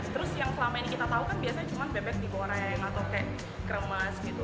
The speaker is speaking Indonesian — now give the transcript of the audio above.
terus yang selama ini kita tahu kan biasanya cuma bebek digoreng atau kayak kremas gitu